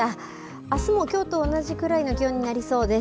あすもきょうと同じくらいの気温になりそうです。